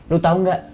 lu tau gak